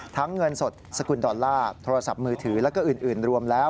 เงินสดสกุลดอลลาร์โทรศัพท์มือถือแล้วก็อื่นรวมแล้ว